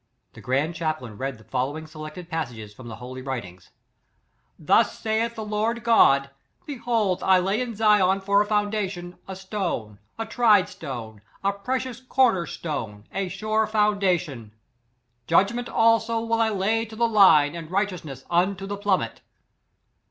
The Grand Chaplain read the follow ing select imssages from the holy writ ings :" Thus, saith the Lord God, behold I lay in Zion, for a foundation, a stone^ a tried stone ^ a precious cornerstone^ a sure found ation, ^c. " Judgement also will I lay to the line and righteousness unto the plummet."